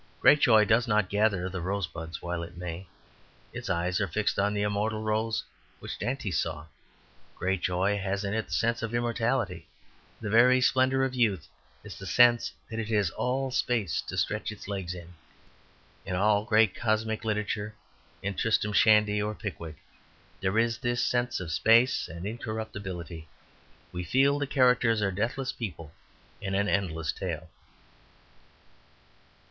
Great joy does, not gather the rosebuds while it may; its eyes are fixed on the immortal rose which Dante saw. Great joy has in it the sense of immortality; the very splendour of youth is the sense that it has all space to stretch its legs in. In all great comic literature, in "Tristram Shandy" or "Pickwick", there is this sense of space and incorruptibility; we feel the characters are deathless people in an endless tale.